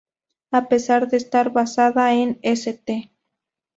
A pesar de estar basada en St.